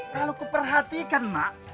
kalau kuperhatikan mak